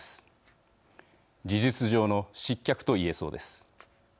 事実上の失脚と言えそうです。